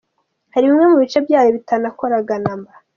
Hari bimwe mu bice byayo bitanakoraga na mba.